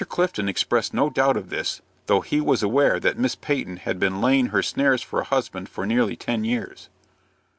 Clifton expressed no doubt of this, though he was aware that Miss Peyton had been laying her snares for a husband for nearly ten years.